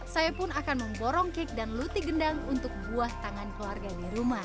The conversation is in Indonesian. saya pun akan memborong kek dan luti gendang untuk buah tangan keluarga di rumah